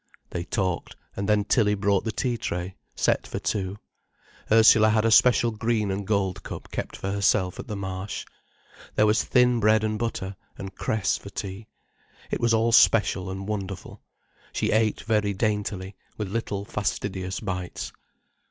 They talked, and then Tilly brought the tea tray, set for two. Ursula had a special green and gold cup kept for herself at the Marsh. There was thin bread and butter, and cress for tea. It was all special and wonderful. She ate very daintily, with little fastidious bites.